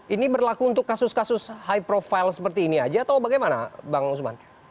ini berlaku untuk kasus kasus high profile seperti ini aja atau bagaimana bang usman